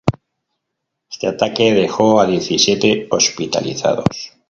Este ataque dejó a diecisiete hospitalizados.